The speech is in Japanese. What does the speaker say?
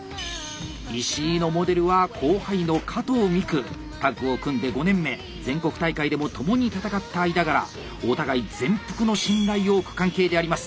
石井のモデルは後輩の全国大会でも共に戦った間柄お互い全幅の信頼を置く関係であります。